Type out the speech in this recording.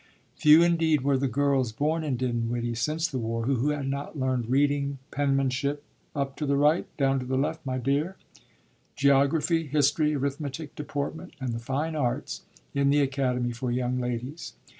Few, indeed, were the girls born in Dinwiddie since the war who had not learned reading, penmanship ("up to the right, down to the left, my dear"), geography, history, arithmetic, deportment, and the fine arts, in the Academy for Young Ladies.